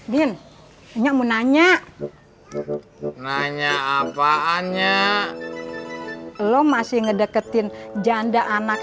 bin enyamu nanya nanya apaannya lo masih ngedeketin janda anak